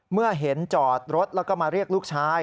เมื่อเห็นจอดรถแล้วก็มาเรียกลูกชาย